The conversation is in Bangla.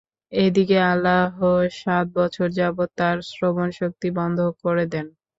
এদিকে আল্লাহ সাত বছর যাবত তার শ্রবণ শক্তি বন্ধ করে দেন।